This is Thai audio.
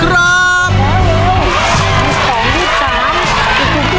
พระปักษมันก็วางแล้วลูก